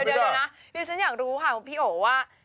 ดีแต่ฉันอยากรู้ค่ะพี่โหว่า